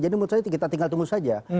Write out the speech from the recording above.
jadi menurut saya kita tinggal tunggu saja